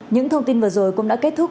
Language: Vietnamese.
những thông tin vừa rồi cũng đã kết thúc